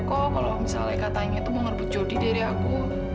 kok kalau misalnya katanya itu mau ngerebut jodi dari aku